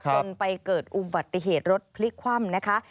จนไปเกิดอุบัติเหตุรถพลิกคว่ำนะคะ